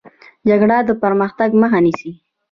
جګړه د پرمختګ مخه نیسي